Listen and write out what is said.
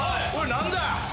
何だ？